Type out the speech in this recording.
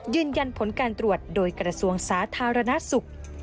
ยืนยันผลการตรวจโดยกระทรวงสาธารณสุข